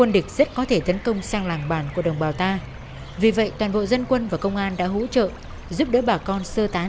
vì vậy tự nhiên trong lúc trung tâm phá hủy ví dụ được công nhận